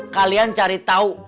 kalian cari tau